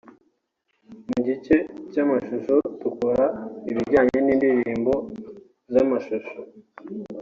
Mu gice cy’amashusho dukora ibijyanye n’indirimbo z’amashusho